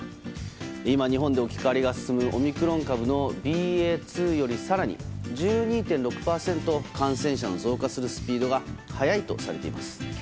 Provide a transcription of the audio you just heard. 今、日本で置き換わりが進むオミクロン株のＢＡ．２より更に１２．６％感染者の増加するスピードが速いとされています。